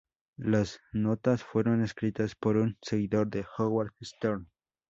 Las notas fueron escritas por un seguidor de Howard Stern.